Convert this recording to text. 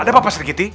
ada apa pak sergiti